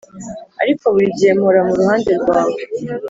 ariko buri gihe mpora muruhande rwawe